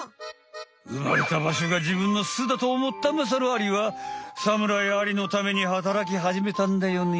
生まれた場所が自分の巣だと思ったまさるアリはサムライアリのために働き始めたんだよね。